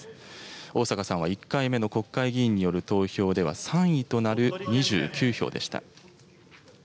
逢坂さんは１回目の国会議員による投票では３位となる２９票でした。